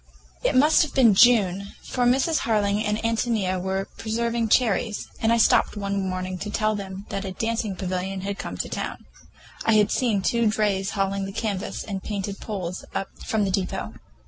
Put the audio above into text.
It must have been in June, for Mrs. Harling and Ántonia were preserving cherries, when I stopped one morning to tell them that a dancing pavilion had come to town. I had seen two drays hauling the canvas and painted poles up from the depot.